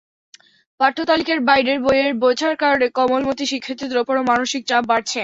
পাঠ্যতালিকার বাইরের বইয়ের বোঝার কারণে কোমলমতি শিক্ষার্থীদের ওপরও মানসিক চাপ বাড়ছে।